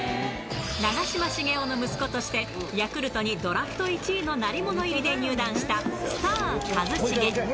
長嶋茂雄の息子として、ヤクルトにドラフト１位の鳴り物入りで入団したスター、一茂。